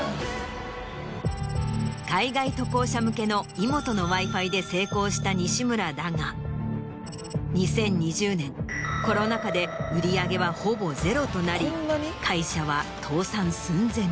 海外渡航者向けのイモトのＷｉＦｉで成功した西村だが２０２０年コロナ禍で売り上げはほぼゼロとなり会社は。